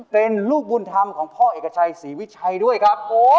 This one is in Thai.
เป็นลูกบุญธรรมของพ่อเอกชัยศรีวิชัยด้วยครับ